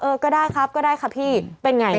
เออก็ได้ครับก็ได้ค่ะพี่เป็นอย่างไร